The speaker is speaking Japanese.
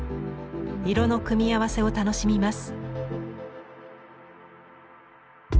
色の組み合わせを楽しみます。